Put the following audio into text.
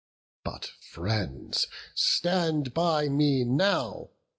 But, friends, stand by me now!